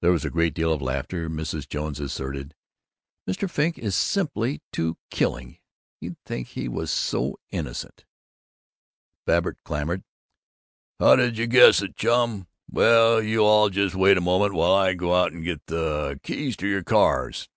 There was a great deal of laughter. Mrs. Jones asserted, "Mr. Frink is simply too killing! You'd think he was so innocent!" Babbitt clamored, "How did you guess it, Chum? Well, you all just wait a moment while I go out and get the keys to your cars!"